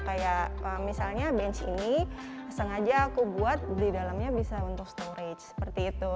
kayak misalnya bench ini sengaja aku buat di dalamnya bisa untuk storage seperti itu